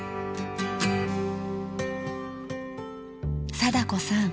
貞子さん